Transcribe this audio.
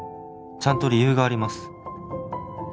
「ちゃんと理由があります」